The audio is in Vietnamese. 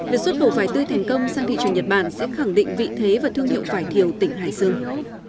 việc xuất khẩu vải tươi thành công sang thị trường nhật bản sẽ khẳng định vị thế và thương hiệu vải thiều tỉnh hải dương